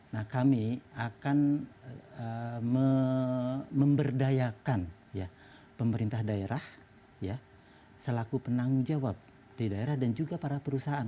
nah kami akan memberdayakan pemerintah daerah selaku penanggung jawab di daerah dan juga para perusahaan